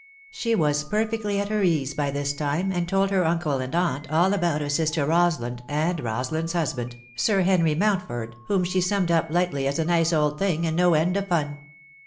She was perfectly at her ease by this time, and told her uncle and aunt all about her sister Rosalind, and Rosalind's husband, Sir Henry Mountford, whom she summed up lightly as a nice old thing, and no end of fun.